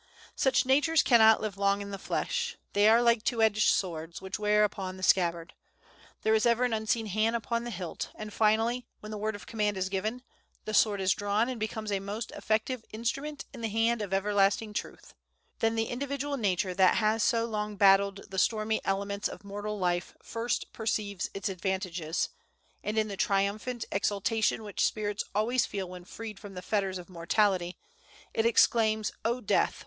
Such natures cannot live long in the flesh. They are like two edged swords, which wear upon the scabbard. There is ever an unseen hand upon the hilt, and finally, when the word of command is given, the sword is drawn, and becomes a most effective instrument in the hand of Everlasting Truth; then the individual nature that has so long battled the stormy elements of mortal life first perceives its advantages, and in the triumphant exultation which spirits always feel when freed from the fetters of mortality, it exclaims, "O Death!